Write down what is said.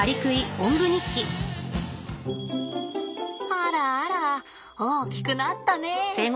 あらあら大きくなったねぇ。